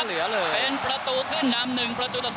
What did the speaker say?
เป็นประตูขึ้นนำ